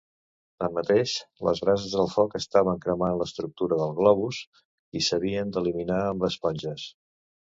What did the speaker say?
Tanmateix, les brases del foc estaven cremant l'estructura del globus i s'havien d'eliminar amb esponges.